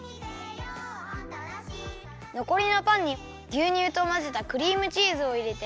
のこりのパンにぎゅうにゅうとまぜたクリームチーズをいれて。